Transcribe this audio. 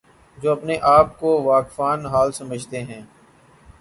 جو اپنے آپ کو واقفان حال سمجھتے ہیں۔